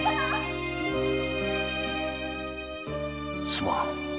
すまん。